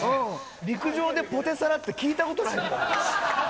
陸上でポテサラって聞いたことない。